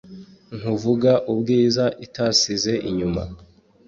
Nkuvuga ubwiza itasize inyuma